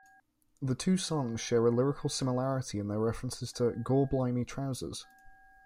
The two songs share a lyrical similarity in their reference to "gorblimey trousers".